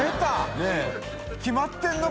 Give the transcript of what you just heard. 決まってんの！」